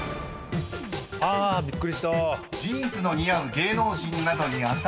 あびっくりした。